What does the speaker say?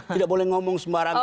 tidak boleh ngomong sembarangan